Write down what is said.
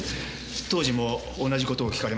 当時も同じ事を訊かれましたし。